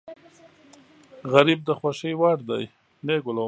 غریب د خوښۍ وړ دی